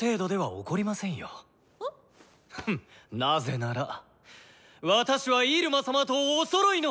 フッなぜなら私はイルマ様と「おそろい」の！